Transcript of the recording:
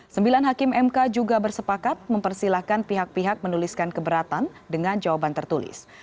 sembilan hakim mk juga bersepakat mempersilahkan pihak pihak menuliskan keberatan dengan jawaban tertulis